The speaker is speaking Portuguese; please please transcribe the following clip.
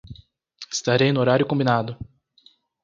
Estarei no horário combinado